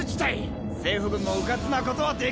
政府軍もうかつなことはできねえ！